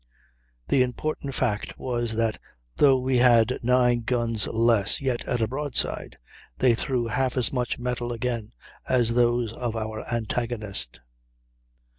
The important fact was that though we had nine guns less, yet, at a broadside, they threw half as much metal again as those of our antagonist.